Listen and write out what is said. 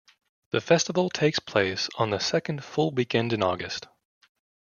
The festival takes place on the second full weekend in August.